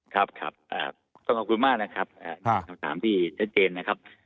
ครับครับต้องขอบคุณมากนะครับคำถามที่ชัดเจนนะครับ